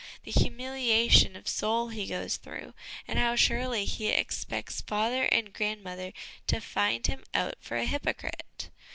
the humiliation of soul he goes through, and how surely he expects father and grand mother to find him out for a hypocrite.